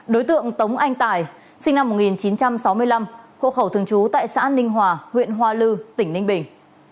đối tượng tống anh tài sinh năm một nghìn chín trăm sáu mươi năm hộ khẩu thường trú tại xã ninh hòa huyện hoa lư tỉnh ninh bình